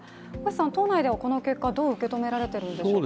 党内ではこの結果、どう受け止められているんでしょうか。